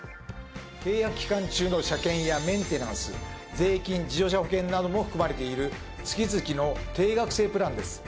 契約期間中の車検やメンテナンス税金自動車保険なども含まれている月々の定額制プランです。